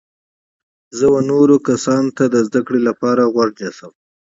زه و نورو کسانو ته د زده کړي لپاره غوږ نیسم.